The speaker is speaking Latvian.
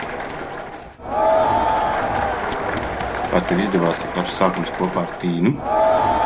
Kā tev izdevās tik labs sākums kopā ar Tīnu?